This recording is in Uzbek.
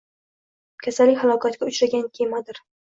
Kesalik halokatga uchragan kemadir.